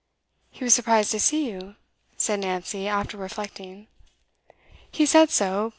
'He was surprised to see you?' said Nancy, after reflecting. 'He said so.